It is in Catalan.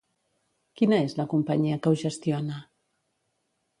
Quina és la companyia que ho gestiona?